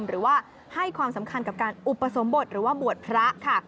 หรือว่าให้ความสำคัญกับการอุปสมบทหรือว่าบวชพระค่ะ